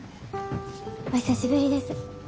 お久しぶりです。